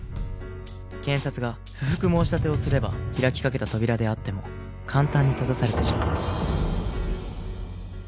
検察が不服申し立てをすれば開きかけた扉であっても簡単に閉ざされてしまう。